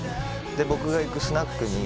僕が行くスナックに。